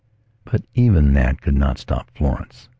But even that could not stop Florence.